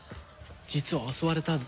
実は襲われた梓